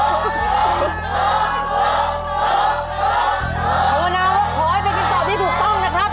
คำว่านะว่าขอให้ไปกินตอนที่ถูกต้องนะครับ